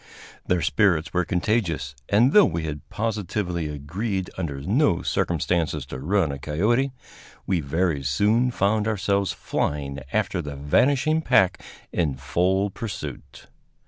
Their spirits were contagious, and, though we had positively agreed under no circumstances to run a coyote, we very soon found ourselves flying after the vanishing pack in full pursuit.